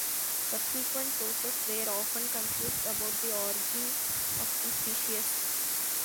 Subsequent sources were often confused about the origin of the species.